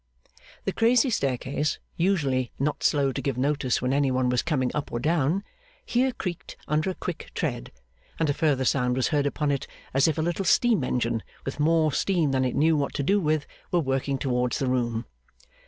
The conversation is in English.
The crazy staircase, usually not slow to give notice when any one was coming up or down, here creaked under a quick tread, and a further sound was heard upon it, as if a little steam engine with more steam than it knew what to do with, were working towards the room.